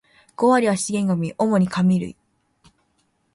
五割は資源ゴミ、主に紙類